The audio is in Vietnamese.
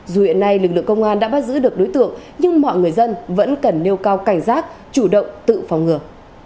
dù hiện nay lực lượng công an đã bắt giữ được đối tượng nhưng mọi người dân vẫn cần nêu cao cảnh giác chủ động tự phòng ngừa